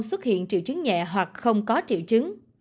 xuất hiện triệu chứng nhẹ hoặc không có triệu chứng